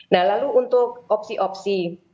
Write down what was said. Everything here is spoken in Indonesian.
nah lalu untuk opsi opsi